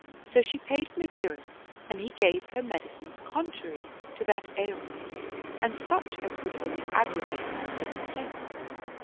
So she paid him a dirham and he gave her medicines contrary to that ail ment and such as would only aggravate the complaint.